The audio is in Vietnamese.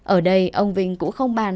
ở đây ông vinh cũng không bàn hành